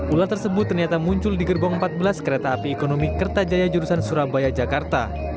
ular tersebut ternyata muncul di gerbong empat belas kereta api ekonomi kertajaya jurusan surabaya jakarta